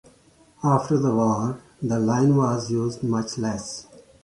After the war, the line was used much less.